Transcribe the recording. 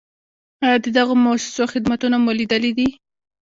آیا د دغو مؤسسو خدمتونه مو لیدلي دي؟